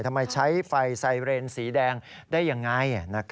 ทำไมใช้ไฟไซเรนสีแดงได้ยังไง